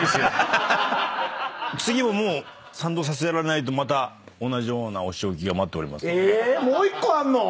次も賛同させられないとまた同じようなお仕置きが待っておりますので。